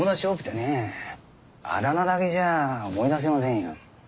あだ名だけじゃ思い出せませんよ。